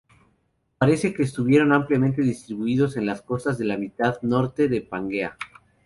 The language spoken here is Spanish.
Parece que estuvieron ampliamente distribuidos en las costas de la mitad norte de Pangea.